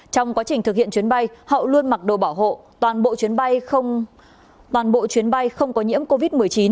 trong quá trình thực hiện chuyến bay hậu luôn mặc đồ bảo hộ toàn bộ chuyến bay không có nhiễm covid một mươi chín